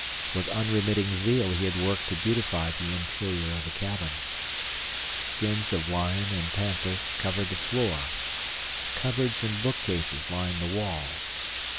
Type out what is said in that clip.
With unremitting zeal he had worked to beautify the interior of the cabin. Skins of lion and panther covered the floor. Cupboards and bookcases lined the walls.